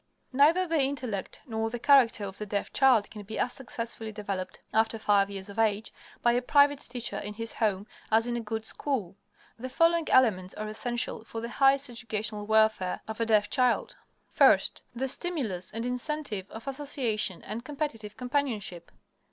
Neither the intellect nor the character of the deaf child can be as successfully developed, after five years of age, by a private teacher in his home as in a good school. The following elements are essential for the highest educational welfare of a deaf child: First. The stimulus and incentive of association and competitive companionship.